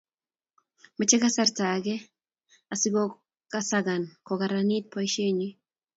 mechei kasarta ake asikusakan ko kararanit boisienyin